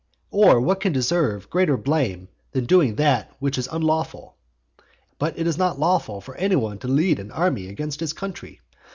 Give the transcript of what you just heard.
Or what can deserve greater blame than doing that which is unlawful? But it is not lawful for any one to lead an army against his country?